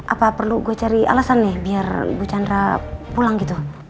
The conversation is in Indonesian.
apa perlu gue cari alasan nih biar bu chandra pulang gitu